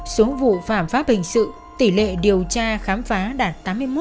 số vụ phảm pháp hình sự tỷ lệ điều tra khám phá đạt tám mươi một ba mươi ba